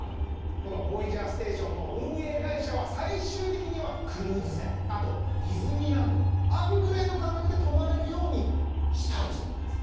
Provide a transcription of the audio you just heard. このボイジャーステーションの運営会社は最終的には。あのぐらいの感覚で泊まれるようにしたいそうなんです。